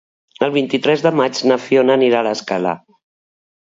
El vint-i-tres de maig na Fiona anirà a l'Escala.